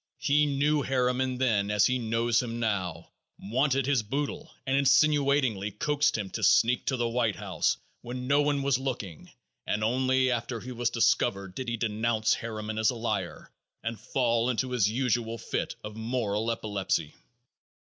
He knew Harriman then as he knows him now; wanted his boodle and insinuatingly coaxed him to sneak to the White House when no one was looking, and only after he was discovered did he denounce Harriman as a liar and fall into his usual fit of moral epilepsy.